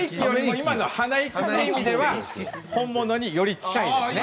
今の鼻息という意味では本物により近いですね。